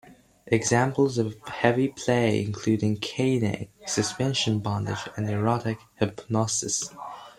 Examples of heavy play includes caning, suspension bondage, and erotic hypnosis.